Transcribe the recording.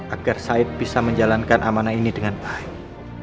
agar said bisa menjalankan amanah ini dengan baik